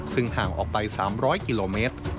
ซึ่งห่างออกไป๓๐๐กิโลเมตร